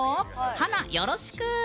華、よろしく！